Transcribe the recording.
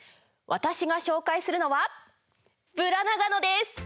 私が紹介するのは「ブラナガノ」です。